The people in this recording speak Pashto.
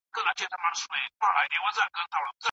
د پانګي کمښت تېر کال د فابريکو پرمختګ په بشپړه توګه ودراوه.